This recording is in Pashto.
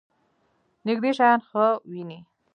نږدې شیان ښه وینئ؟